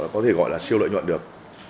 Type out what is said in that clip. có thể gọi là siêu lợi nhuận được